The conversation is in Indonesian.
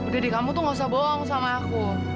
jadi kamu tuh gak usah bohong sama aku